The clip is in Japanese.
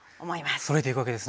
あっそろえていくわけですね。